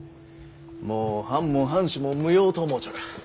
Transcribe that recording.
もう藩も藩主も無用と思うちょる。